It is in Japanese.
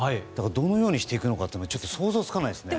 どのようにしていくのかちょっと想像つかないですね。